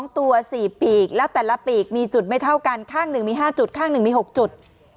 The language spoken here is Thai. ๒ตัว๔ปีกแล้วแต่ละปีกมีจุดไม่เท่ากันข้างหนึ่งมี๕จุดข้างหนึ่งมี๖จุด